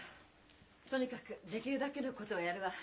とにかくできるだけのことはやるわ。